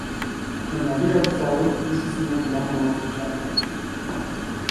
Baina bi geruza hauek ikustezinak dira modu zuzenean.